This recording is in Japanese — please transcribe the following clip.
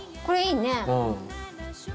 これいいね。